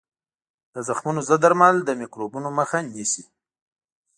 د زخمونو ضد درمل د میکروبونو مخه نیسي.